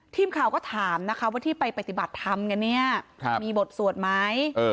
ทีมข่าวก็ถามว่าที่ไปปฏิบัติธรรมมีบทสวดไหม